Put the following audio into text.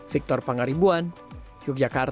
victor pangaribuan yogyakarta